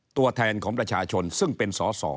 ตัวแทนของประชาชนซึ่งเป็นสอสอ